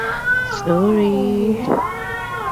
Sir Robert was not impressed.